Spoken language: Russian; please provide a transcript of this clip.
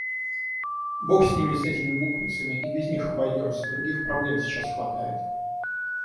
Бог с ними, с этими буквицами и без них обойдёмся. Других проблем сейчас хватает.